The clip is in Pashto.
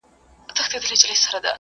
آیا ته پوهېږې چې ولې خپله ژبه مهمه ده؟